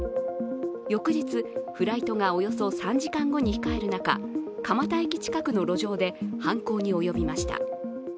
翌日、フライトがおよそ３時間後に控える中、蒲田駅近くの路上で犯行に及びました。